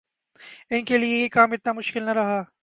ان کیلئے یہ کام اتنا مشکل نہ رہا۔